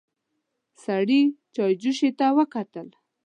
سړي چايجوشې ته وکتل.